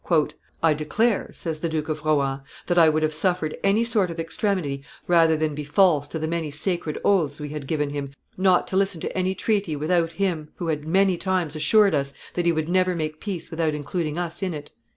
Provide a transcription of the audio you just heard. "I declare," says the Duke of Rohan, "that I would have suffered any sort of extremity rather than be false to the many sacred oaths we had given him not to listen to any treaty without him, who had many times assured us that he would never make peace without including us in it."